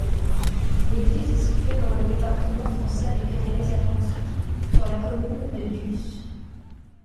L'église est située dans le département français des Pyrénées-Atlantiques, sur la commune de Diusse.